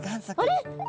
あれ？